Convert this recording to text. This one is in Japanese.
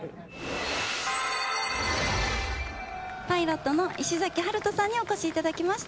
パイロットの石崎晴大さんにお越し頂きました。